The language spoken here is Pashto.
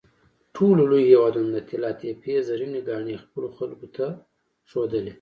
ټولو لویو هېوادونو د طلاتپې زرینې ګاڼې خپلو خلکو ته ښودلې.